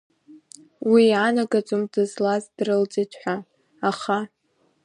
Уи иаанагаӡом дызлаз дрылҵит ҳәа, аха…